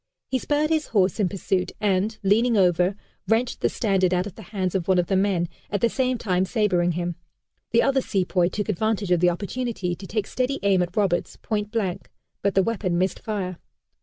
He spurred his horse in pursuit, and, leaning over, wrenched the standard out of the hands of one of the men, at the same time sabering him. The other sepoy took advantage of the opportunity to take steady aim at Roberts, point blank, but the weapon missed fire.